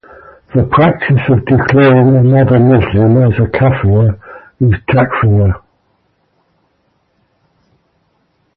The practice of declaring another Muslim as a "kafir" is "takfir".